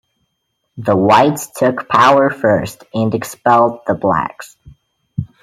The Whites took power first and expelled the Blacks.